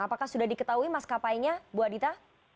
apakah sudah diketahui maskapainya ibu adhita